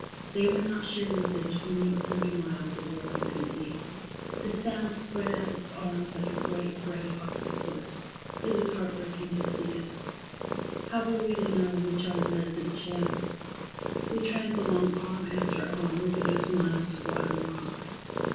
They were not sure within twenty or thirty miles of where we could be. The Sound spread out its arms like a great grey octopus. It was heart breaking to see it. How were we to know which arm led to the channel? We tramped along arm after arm over those miles of rotten rock.